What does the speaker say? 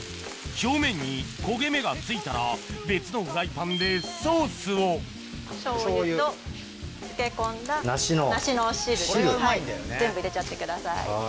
表面に焦げ目がついたら別のフライパンでソースを全部入れちゃってください。